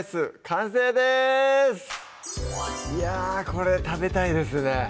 完成ですいやこれ食べたいですね